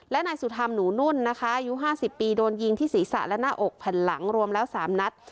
และนายสุธรรมหนูนุ่นนะคะอายุ๕๐ปีโดนยิงที่ศีรษะและหน้าอกแผ่นหลังรวมแล้ว๓นัด